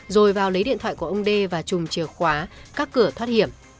rồi vào lấy điện thoại của ông đê và chùm chìa khóa các cửa thoát hiểm